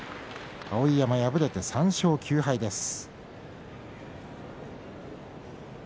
碧山、敗れて３勝９敗です。